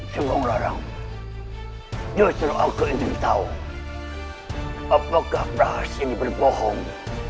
sembong larang justru aku yang tahu apakah prahas ini berbohong